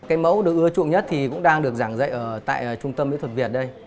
cái mẫu được ưa chuộng nhất thì cũng đang được giảng dạy ở tại trung tâm mỹ thuật việt đây